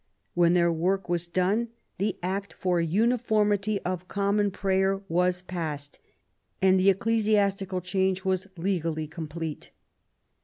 When their work was done, the Act for Uniformity of Common Prayer was passed, and the ecclesiastical change was legally complete.